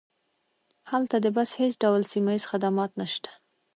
هلته د بس هیڅ ډول سیمه ییز خدمات نشته